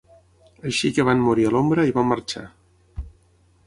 Així que van morir a l'ombra i van marxar.